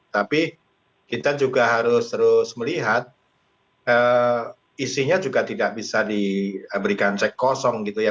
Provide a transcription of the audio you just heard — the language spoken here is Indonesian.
tapi kita juga harus terus melihat isinya juga tidak bisa diberikan cek kosong gitu ya